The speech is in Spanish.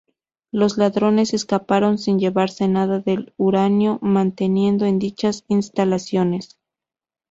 Los ladrones escaparon sin llevarse nada del uranio mantenido en dichas instalaciones.